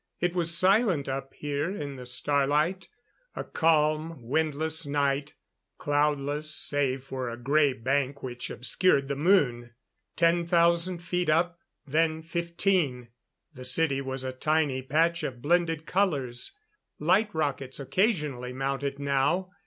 It was silent up here in the starlight; a calm, windless night cloudless, save for a gray bank which obscured the moon. Ten thousand feet up. Then fifteen. The city was a tiny patch of blended colors. Light rockets occasionally mounted now.